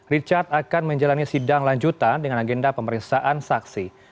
richard akan menjalani sidang lanjutan dengan agenda pemeriksaan saksi